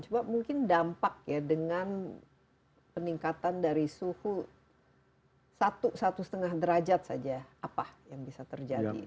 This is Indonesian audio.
coba mungkin dampak ya dengan peningkatan dari suhu satu lima derajat saja apa yang bisa terjadi